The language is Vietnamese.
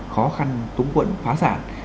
khó khăn túng quẩn phá sản